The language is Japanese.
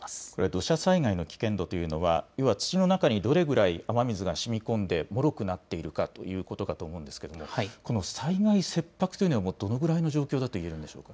土砂災害の危険度というのは要は土の中にどれぐらい雨水がしみこんでもろくなっているかということかと思うんですが、この災害切迫というのはどのくらいの状況だといえますか。